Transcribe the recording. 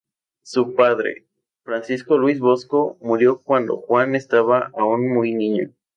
Su padre, Francisco Luis Bosco, murió cuando Juan estaba aún muy niño.